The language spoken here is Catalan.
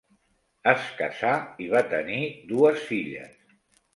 Es casà i va tenir dues filles.